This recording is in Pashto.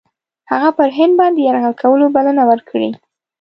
هغه پر هند باندي یرغل کولو بلنه ورکړې.